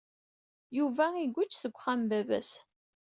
Yuba iguǧǧ seg uxxam n baba-s.